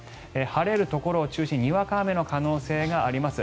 晴れるところを中心ににわか雨の可能性があります。